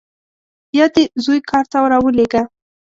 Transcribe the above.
یا دې زوی کار ته راولېږه.